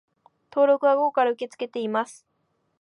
登録は午後から受け付けています